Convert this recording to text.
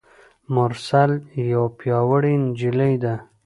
مرسل یوه پیاوړي نجلۍ ده.